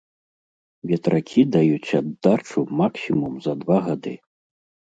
Ветракі даюць аддачу максімум за два гады.